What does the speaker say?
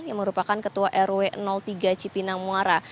yang merupakan ketua rw tiga cipinang muara